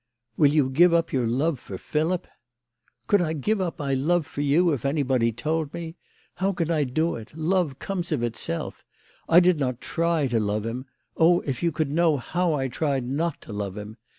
" Will you give up your love for Philip ?"" Could I give up my love for you, if anybody told me ? How can I do it ? Love comes of itself. I did not try to love him. Oh, if you could know how I tried not to love him